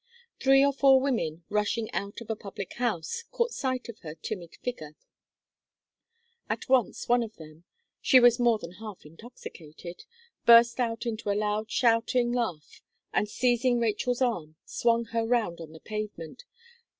Three or four women, rushing out of a public house, caught sight of her timid figure. At once, one of them she was more than half intoxicated burst out into a loud shouting laugh, and, seizing Rachel's arm, swung her round on the pavement.